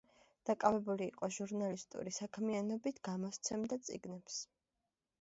დაკავებული იყო ჟურნალისტური საქმიანობით, გამოსცემდა წიგნებს.